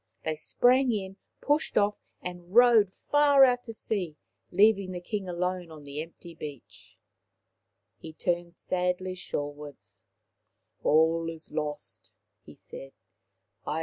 They sprang in, pushed off, and rowed far out to sea, leaving the King alone on the empty beach. He turned sadly shorewards. " All is lost," he said.